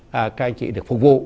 các anh chị được phục vụ